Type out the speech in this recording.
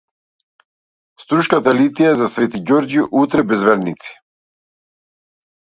Струшката литија за свети Ѓорги утре без верници